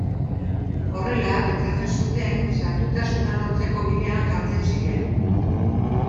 Horrela, pentsatzen zuten, santutasuna lortzeko bidean jartzen ziren.